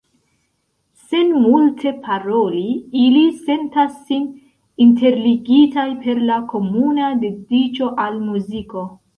Sen multe paroli, ili sentas sin interligitaj per la komuna dediĉo al muziko.